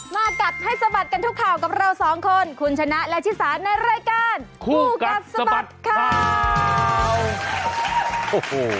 กัดให้สะบัดกันทุกข่าวกับเราสองคนคุณชนะและชิสาในรายการคู่กัดสะบัดข่าวโอ้โห